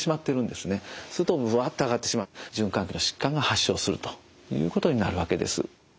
するとブワッて上がってしまい循環器の疾患が発症するということになるわけです。